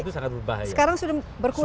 sekarang sudah berkurang